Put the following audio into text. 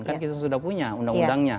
kan kita sudah punya undang undangnya